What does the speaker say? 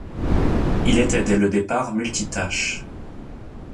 Il était dès le départ multitâche.